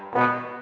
nih bolok ke dalam